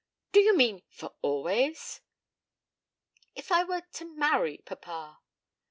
'Do you mean for always?' 'If I were to marry, papa?'